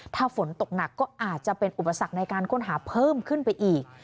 ถ้าฝนตกหนักก็อาจจะเป็นอุปสรรคในการค้นหาเพิ่มขึ้นไปอีก